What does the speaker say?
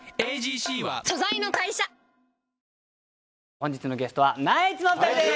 本日のゲストはナイツのお二人です！